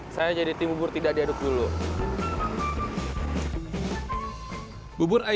saya jadi tim bubur tidak diaduk dulu